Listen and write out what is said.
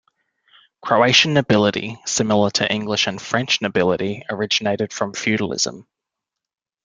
Croatian nobility, similar to English and French nobility, originated from feudalism.